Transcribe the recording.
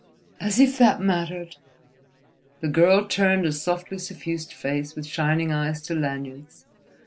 "As if that mattered!" The girl turned a softly suffused face with shining eyes to Lanyard's.